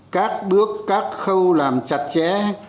các bước các khâu làm chặt chẽ